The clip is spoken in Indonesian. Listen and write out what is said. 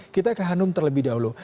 kita ke hanum terlebih dahulu